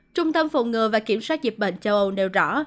trung tâm phòng ngừa và kiểm soát dịch bệnh châu âu nêu rõ